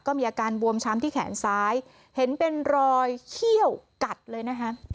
ก็มีอาการบวมช้ำที่แขนซ้ายเห็นเป็นรอยเขี้ยวกัดเลยนะคะ